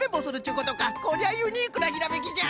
こりゃユニークなひらめきじゃ！